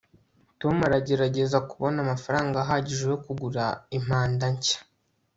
tom aragerageza kubona amafaranga ahagije yo kugura impanda nshya